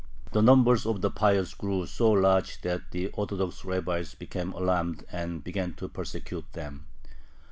The number of "the Pious" grew so large that the Orthodox rabbis became alarmed and began to persecute them.